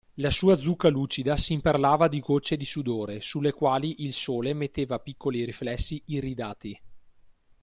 La sua zucca lucida s’imperlava di gocce di sudore, su le quali il sole metteva piccoli riflessi iridati.